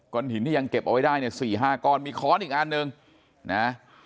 หินที่ยังเก็บเอาไว้ได้เนี่ย๔๕ก้อนมีค้อนอีกอันหนึ่งนะ